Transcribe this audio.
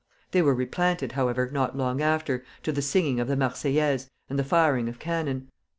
They were replanted, however, not long after, to the singing of the "Marseillaise" and the firing of cannon.